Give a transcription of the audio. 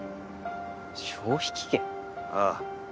消費期限？ああ。